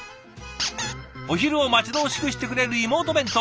お昼を待ち遠しくしてくれる妹弁当。